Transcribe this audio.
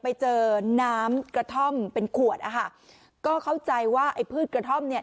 ไปเจอน้ำกระท่อมเป็นขวดอ่ะค่ะก็เข้าใจว่าไอ้พืชกระท่อมเนี่ย